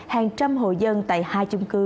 hàng trăm hội dân tại hai chung cư